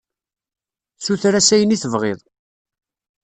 Suter-as ayen i tebɣiḍ.